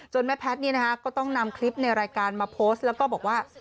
แม่แพทย์ก็ต้องนำคลิปในรายการมาโพสต์แล้วก็บอกว่า